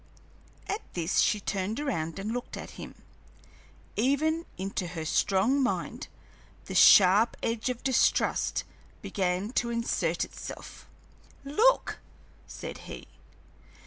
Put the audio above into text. At this she turned around and looked at him. Even into her strong mind the sharp edge of distrust began to insert itself. "Look!" said he.